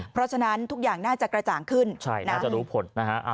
เพราะฉะนั้นทุกอย่างน่าจะกระจ่างขึ้นน่าจะรู้ผลนะฮะ